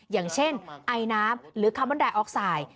อย่างเช่นไอน้ำหรือคาร์บอนไดออกไซด์